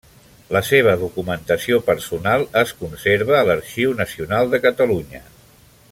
La seva documentació personal es conserva a l'Arxiu Nacional de Catalunya.